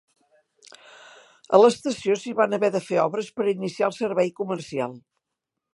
A l'estació s'hi van haver de fer obres per iniciar el servei comercial.